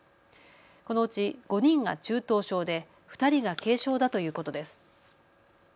このうち５人が中等症で２人が軽症だということです。